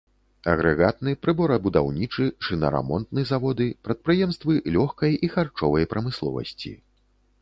Агрэгатны, прыборабудаўнічы, шынарамонтны заводы, прадпрыемствы лёгкай і харчовай прамысловасці.